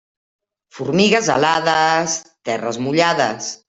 Formigues alades, terres mullades.